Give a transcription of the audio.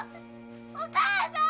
お母さん！